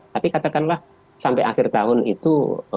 tapi katakanlah sampai akhir tahun itu